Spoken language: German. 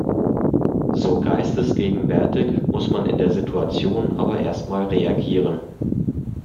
So geistesgegenwärtig muss man in der Situation aber erstmal reagieren.